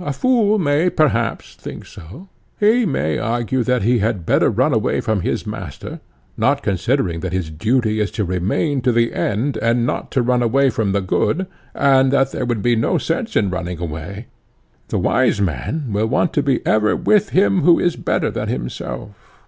A fool may perhaps think so—he may argue that he had better run away from his master, not considering that his duty is to remain to the end, and not to run away from the good, and that there would be no sense in his running away. The wise man will want to be ever with him who is better than himself.